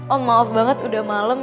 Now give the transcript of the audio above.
om maaf banget udah malem